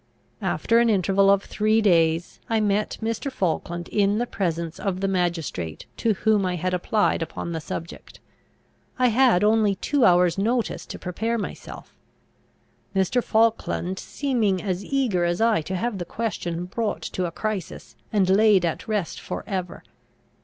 After an interval of three days, I met Mr. Falkland in the presence of the magistrate to whom I had applied upon the subject. I had only two hours' notice to prepare myself; Mr. Falkland seeming as eager as I to have the question brought to a crisis, and laid at rest for ever.